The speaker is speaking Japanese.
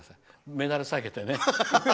メダルを提げてね。